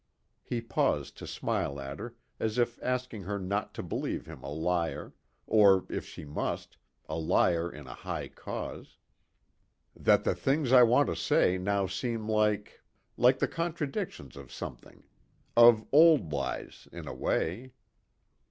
He paused to smile at her as if asking her not to believe him a liar, or if she must a liar in a high cause "that the things I want to say now seem like ... like the contradictions of something. Of old lies ... in a way."